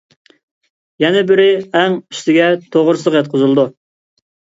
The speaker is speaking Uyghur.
يەنە بىرى ئەڭ ئۈستىگە توغرىسىغا ياتقۇزۇلىدۇ.